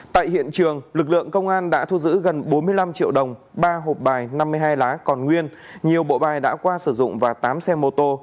tại hiện trường lực lượng công an đã thu giữ gần bốn mươi năm triệu đồng ba hộp bài năm mươi hai lá còn nguyên nhiều bộ bài đã qua sử dụng và tám xe mô tô